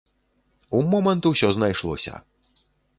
У момант усё знайшлося!